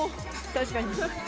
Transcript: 確かに。